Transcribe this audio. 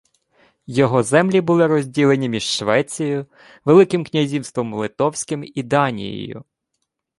Його землі були розділені між Швецією, великим князівством Литовським і Данією